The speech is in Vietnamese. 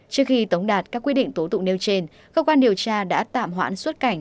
trước khi tống đạt các quyết định tố tụng nêu trên cơ quan điều tra đã tạm hoãn xuất cảnh